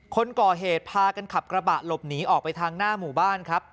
คนก่อเหตุพากันขับกระบะหลบหนีออกไปทางหน้าหมู่บ้านครับ